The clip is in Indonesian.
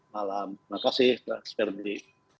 malam terima kasih pak sperdi